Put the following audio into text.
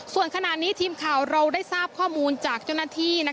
ส่วนขณะนี้ทีมข่าวเราได้ทราบข้อมูลจากเจ้าหน้าที่